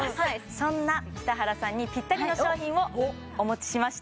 そんな北原さんにぴったりの商品をお持ちしました